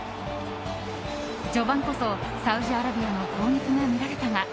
序盤こそサウジアラビアの攻撃が見られたが。